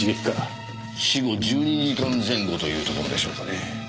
死後１２時間前後というところでしょうかね。